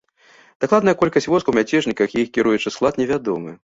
Дакладная колькасць войскаў мяцежнікаў і іх кіруючы склад невядомы.